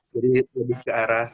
jadi lebih ke arah